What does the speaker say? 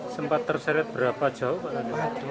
sempat terseret berapa jauh